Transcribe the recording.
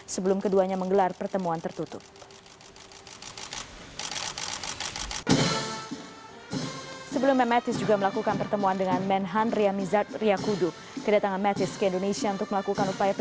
sebelum keduanya menggelar pertemuan tertutup